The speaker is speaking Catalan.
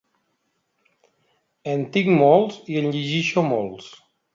En tinc molts i en llegeixo molts.